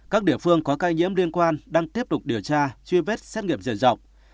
các địa phương có cây nhiễm liên quan đang tiếp tục điều tra truy vết xét nghiệm dần dọc